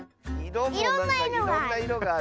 いろもいろんないろがある。